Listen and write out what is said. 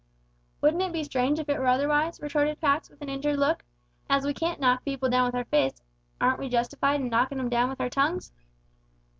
"Wouldn't it be strange if it were otherwise?" retorted Pax, with an injured look. "As we can't knock people down with our fists, aren't we justified in knockin' 'em down with our tongues?"